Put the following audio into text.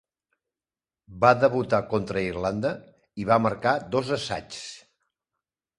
Va debutar contra Irlanda, i va marcar dos assaigs.